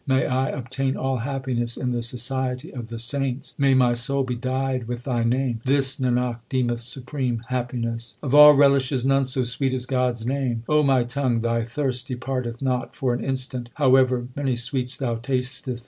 May I obtain all happiness in the society of the saints ! May my soul be dyed with Thy name ! This Nanak deemeth supreme happiness. Of all relishes none so sweet as God s name : my tongue, thy thirst departeth not for an instant, However many sweets thou tasteth.